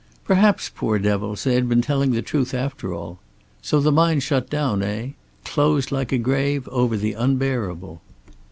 Perhaps, poor devils, they had been telling the truth after all. So the mind shut down, eh? Closed like a grave over the unbearable!